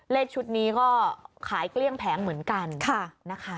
เลขชุดนี้ก็ขายเกลี้ยงแผงเหมือนกันนะคะ